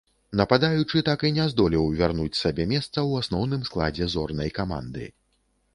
Нападаючы так і не здолеў вярнуць сабе месца ў асноўным складзе зорнай каманды.